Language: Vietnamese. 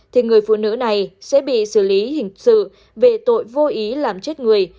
thì người phụ nữ này sẽ bị xử lý hình sự về tội vô ý làm chết người